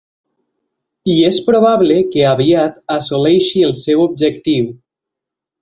I és probable que aviat assoleixi el seu objectiu.